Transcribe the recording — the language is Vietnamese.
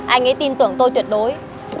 anh ấy tin tưởng tôi tuyệt đối